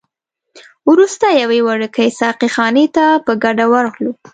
وروسته یوې وړوکي ساقي خانې ته په ګډه ورغلو.